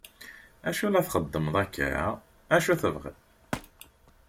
Acu la txeddmeḍ akka? acu tebɣiḍ?